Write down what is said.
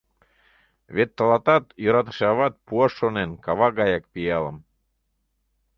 Вет тылатат йӧратыше ават пуаш шонен кава гаяк пиалым.